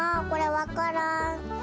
分からん？